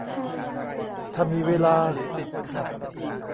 ถ้ามีเวลา